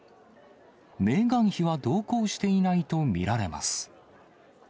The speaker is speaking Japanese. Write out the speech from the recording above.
メーガン妃は同行していないと見られます。